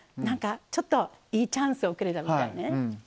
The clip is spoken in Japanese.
ちょっと、いいチャンスをくれたみたいな。